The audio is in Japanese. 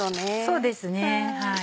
そうですね。